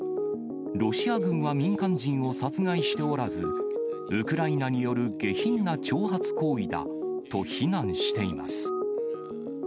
ロシア軍は民間人を殺害しておらず、ウクライナによる下品な挑発行為だと非難しています。